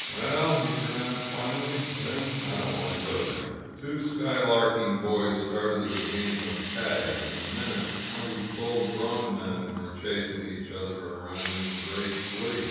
"Well," he pronounced finally, "then I don't want to go there !••." Two skylarking boys started a game of tag; in a minute twenty full grown men were chasing each other around in great glee.